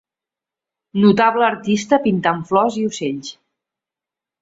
Notable artista pintant flors i ocells.